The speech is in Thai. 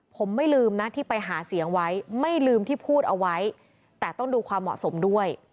ผมไม่ลืมนะที่ไปหาเสียงไว้ไม่ลืมที่พูดเอาไว้แต่ต้องดูความเหมาะสมด้วย